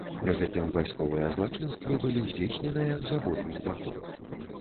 Пры гэтым вайсковыя злачынствы былі здзейсненыя з абодвух бакоў.